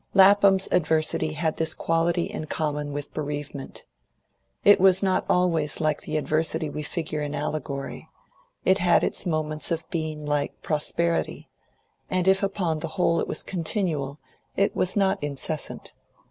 Lapham's adversity had this quality in common with bereavement. It was not always like the adversity we figure in allegory; it had its moments of being like prosperity, and if upon the whole it was continual, it was not incessant.